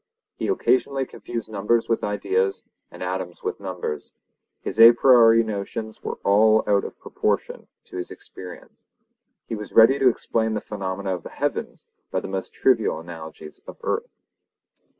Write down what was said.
He occasionally confused numbers with ideas, and atoms with numbers; his a priori notions were out of all proportion to his experience. He was ready to explain the phenomena of the heavens by the most trivial analogies of earth.